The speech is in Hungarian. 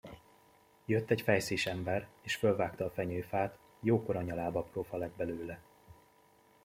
Jött egy fejszés ember, és fölvágta a fenyőfát; jókora nyaláb aprófa lett belőle.